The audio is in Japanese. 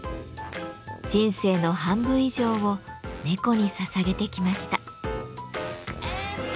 人生の半分以上を猫にささげてきました。